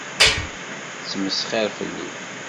Tettmesxiṛ fell-i.